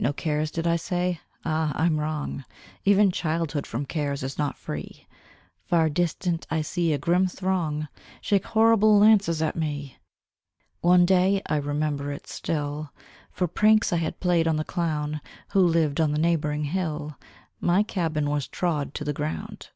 No cares did I say? Ah! I'm wrong: Even childhood from cares is not free: Far distant I see a grim throng Shake horrible lances at me! One day I remember it still For pranks I had played on the clown Who lived on the neighbouring hill, My cabin was trod to the ground.